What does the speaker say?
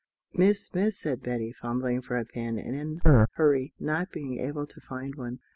"Miss, Miss!" said Betty, fumbling for a pin, and in her hurry not being able to find one.